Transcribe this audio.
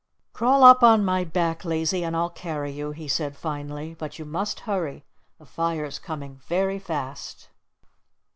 "Crawl up on my back, Lazy, and I'll carry you," he said finally. "But you must hurry! The fire's coming very fast."